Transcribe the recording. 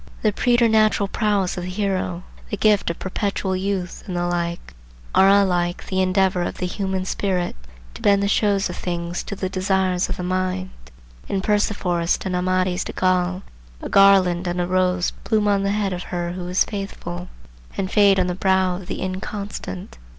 The preternatural prowess of the hero, the gift of perpetual youth, and the like, are alike the endeavour of the human spirit "to bend the shows of things to the desires of the mind." In Perceforest and Amadis de Gaul a garland and a rose bloom on the head of her who is faithful, and fade on the brow of the inconstant.